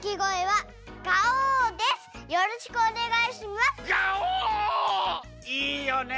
いいよね。